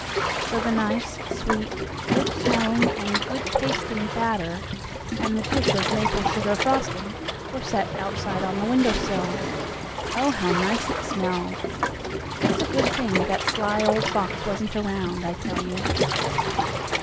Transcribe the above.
So the nice, sweet, good smelling and good tasting batter and the dish of maple sugar frosting were set outside on the window sill. Oh, how nice it smelled. It's a good thing that sly old fox wasn't around, I tell you!